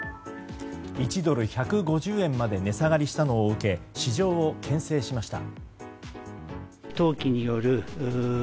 １ドル＝１５０円まで値下がりしたのを受け市場を牽制しました。